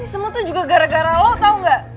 semua tuh juga gara gara lo tau gak